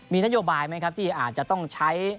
มีนโยบายไหมครับที่อาจจะต้องใช้